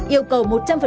yêu cầu một trăm linh